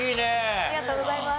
ありがとうございます。